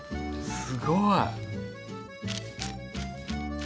すごい。